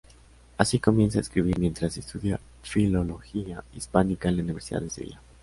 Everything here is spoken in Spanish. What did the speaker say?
Así, comienza a escribir, mientras estudia Filología Hispánica en la Universidad de Sevilla.